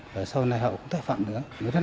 và sau này họ cũng thay phạm nữa